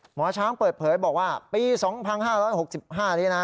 หมอช้างเปิดเผยบอกว่าปี๒๕๖๕นี้นะ